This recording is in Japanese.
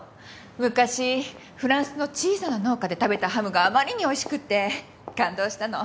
昔フランスの小さな農家で食べたハムがあまりにおいしくて感動したの。